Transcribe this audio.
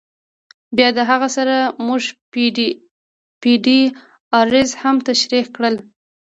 بیا د هغه سره مونږ پی ډی آریز هم تشریح کړل.